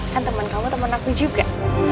kan teman kamu teman aku juga